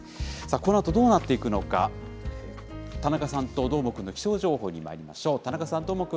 このあとどうなっていくのか、田中さんとどーもくんの気象情報にまいりましょう。